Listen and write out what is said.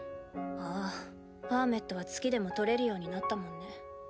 ああパーメットは月でも採れるようになったもんね。